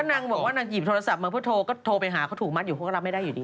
นางบอกว่านางหยิบโทรศัพท์มาเพื่อโทรก็โทรไปหาเขาถูกมัดอยู่เขาก็รับไม่ได้อยู่ดี